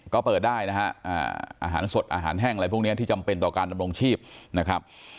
ก็เปิดได้นะฮะอาหารสดอาหารแห้งอะไรพวกนี้ที่จำเป็นต่อการดำรงชีพนะครับ